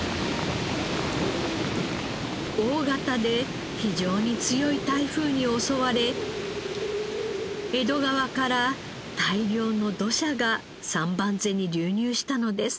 大型で非常に強い台風に襲われ江戸川から大量の土砂が三番瀬に流入したのです。